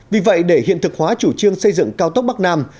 vì vậy để hiện thực hóa chủ trương xây dựng cao tốc bắc nam